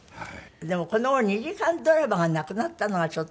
でもこの頃２時間ドラマがなくなったのがちょっと。